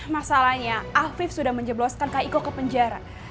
masalahnya afif sudah menjebloskan kak iko ke penjara